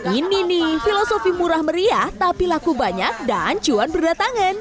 ini nih filosofi murah meriah tapi laku banyak dan cuan berdatangan